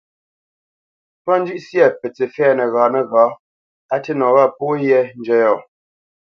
Ntwá njʉ́ʼ syâ pətsǐ fɛ̌ nəghǎ nəghǎ, á tî nɔ wâ pó yē njə́ yɔ̂,